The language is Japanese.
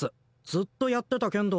ずっとやってた剣道